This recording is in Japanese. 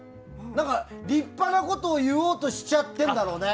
だから、立派なことを言おうとしちゃってるんだろうね。